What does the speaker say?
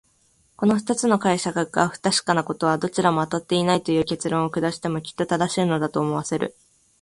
この二つの解釈が不確かなことは、どちらもあたってはいないという結論を下してもきっと正しいのだ、と思わせる。